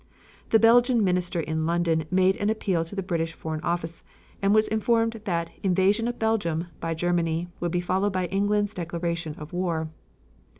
The Belgian Minister in London made an appeal to the British Foreign Office and was informed that invasion of Belgium by Germany would be followed by England's declaration of war.